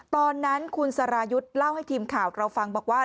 ตอนนั้นคุณสรายุทธ์เล่าให้ทีมข่าวเราฟังบอกว่า